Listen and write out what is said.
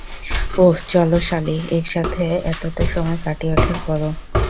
ওহ, চলো, সালি, একসাথে এতটা সময় কাটিয়ে ওঠার পরও?